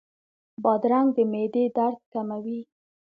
بادرنګ د معدې درد کموي.